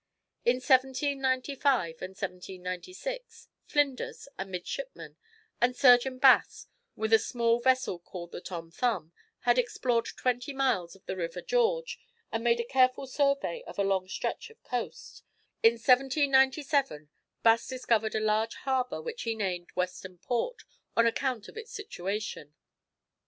In 1795 and 1796, Flinders, a midshipman, and Surgeon Bass, with a small vessel called the Tom Thumb, had explored twenty miles of the River George, and made a careful survey of a long stretch of coast. In 1797, Bass discovered a large harbour, which he named Western Port on account of its situation.